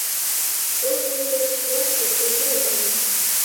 Ожно серыш-влакше кужу ыльыч.